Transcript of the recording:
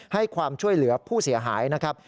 ให้ความช่วยเหลือผู้เสียหายนะครับ